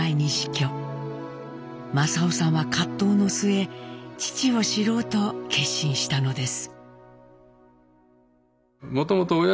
正雄さんは葛藤の末父を知ろうと決心したのです。